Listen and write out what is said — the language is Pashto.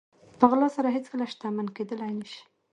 په غلا سره هېڅکله شتمن کېدلی نه شئ.